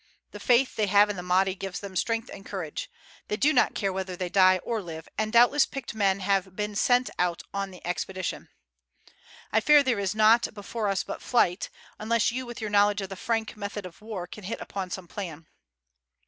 The faith they have in the Mahdi gives them strength and courage; they do not care whether they die or live, and doubtless picked men have been sent on the expedition. I fear there is nought before us but flight, unless you with your knowledge of the Frank method of war can hit upon some plan."